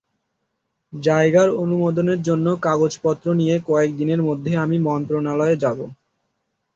জায়গার অনুমোদনের জন্য কাগজপত্র নিয়ে কয়েক দিনের মধ্যে আমি মন্ত্রণালয়ে যাব।